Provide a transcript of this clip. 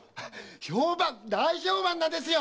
評判大評判ですよ！